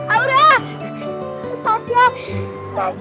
aku kangen banget sama kamu